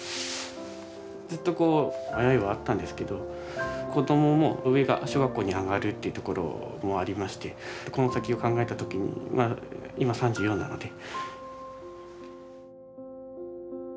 ずっとこう迷いはあったんですけど子どもも上が小学校に上がるっていうところもありましてこの先を考えた時にまあ今３４なので。